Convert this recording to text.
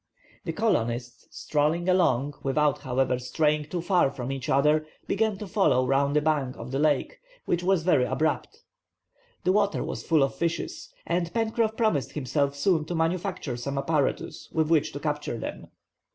The colonists, strolling along, without, however, straying too far from each other, began to follow round the bank of the lake, which was very abrupt. The water was full of fishes, and Pencroff promised himself soon to manufacture some apparatus with which to capture them.